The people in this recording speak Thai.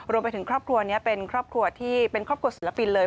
รวมไปถึงครอบครัวนี้เป็นครอบครัวที่เป็นครอบครัวศิลปินเลย